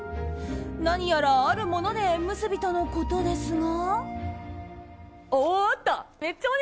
何やら、あるもので縁結びとのことですが。